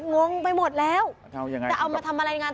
งวงไปหมดแล้วเอายังไงอ๋อไปเอามาทำอะไรอันงาน